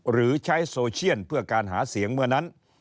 หรือใช้โซเชียลเพื่อการหาเสียงเมื่อนั้น